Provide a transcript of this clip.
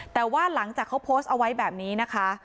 แต่ว่าหลังจากเขาโพสต์เอาไว้แบบนี้นะคะ